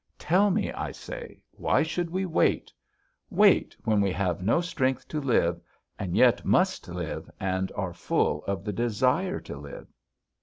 Tell me, I say, why should we wait? Wait, when we have no strength to live, and yet must live and are full of the desire to live!